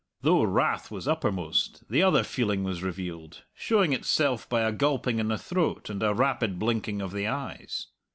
Though wrath was uppermost, the other feeling was revealed, showing itself by a gulping in the throat and a rapid blinking of the eyes.